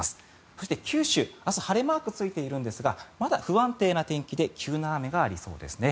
そして、九州、明日晴れマークがついているんですがまだ不安定な天気で急な雨がありそうですね。